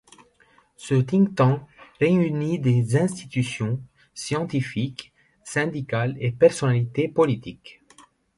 Ce Think tank réunit des institutions, scientifiques, syndicales et personnalités politiques.